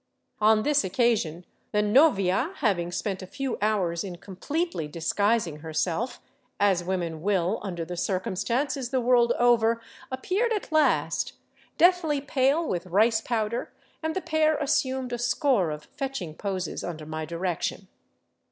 On this occasion the novia, having spent a few hours in completely disguising herself, as women will under the circumstances the world over, ap peared at last, deathly pale with rice powder, and the pair assumed a score of fetching poses under my direction.